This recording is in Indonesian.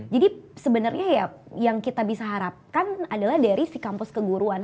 jadi sebenarnya ya yang kita bisa harapkan adalah dari si kampus keguruan